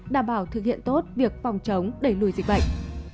đảm bảo thực hiện tốt việc phòng chống đẩy lùi dịch bệnh